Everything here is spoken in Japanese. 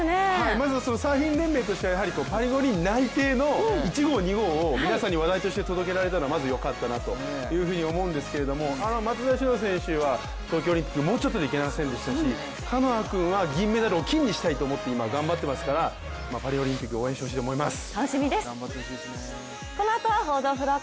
まずはサーフィン連盟としてはパリ五輪内定の１号、２号を皆さんに話題として届けられたのがまず良かったなと思うんですけど松田詩野選手は東京オリンピックもうちょっとで行けませんでしたしカノア君は銀メダルを金にしたいと思って今、頑張ってますからパリオリンピック、応援してほしいと思います。